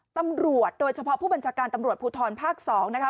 ตำรวจโดยเฉพาะผู้บัญชาการตำรวจภูทรภาค๒นะคะ